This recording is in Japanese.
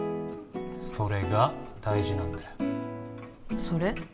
それが大事なんだよそれ？